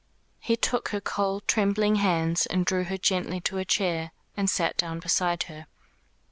He took her cold trembling hands and drew her gently to a chair, and sat down beside her.